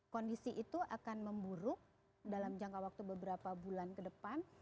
kondisi itu akan memburuk dalam jangka waktu beberapa bulan ke depan